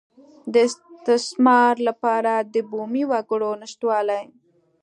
د استثمار لپاره د بومي وګړو نشتوالی.